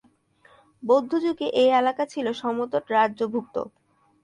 বৌদ্ধ যুগে এ এলাকা ছিল সমতট রাজ্যর্ভুক্ত।